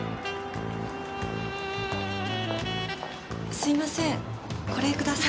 すいませんこれください。